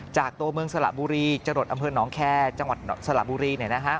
ตัวเมืองสละบุรีจรดอำเภอหนองแคร์จังหวัดสระบุรี